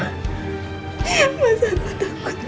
mas al takut